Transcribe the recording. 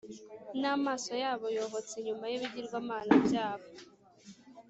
n’amaso yabo yohotse inyuma y’ibigirwamana byabo